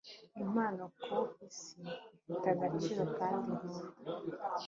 impano ku isi, ifite agaciro kandi nkunda